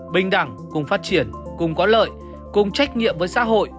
bình đẳng cùng phát triển cùng có lợi cùng trách nhiệm với xã hội